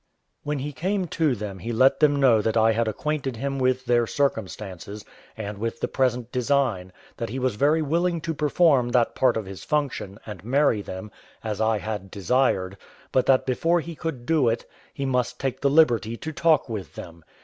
When he came to them he let them know that I had acquainted him with their circumstances, and with the present design; that he was very willing to perform that part of his function, and marry them, as I had desired; but that before he could do it, he must take the liberty to talk with them.